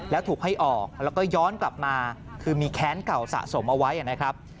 แล้วถูกให้ออกแล้วก็ย้อนกลับมาคือมีแค้นเก่าสะสมเอาไว้นะครับ